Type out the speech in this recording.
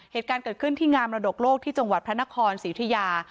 เหตุการณ์เกิดขึ้นที่งามมรดกโลกที่จังหวัดพระนครศรีอุทิยา